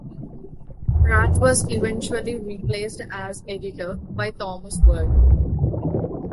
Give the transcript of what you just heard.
Pratt was eventually replaced as editor by Thomas Ward.